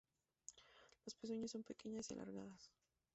Las pezuñas son pequeñas y alargadas.